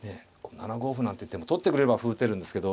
７五歩なんていう手も取ってくれれば歩を打てるんですけど。